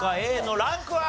Ａのランクは？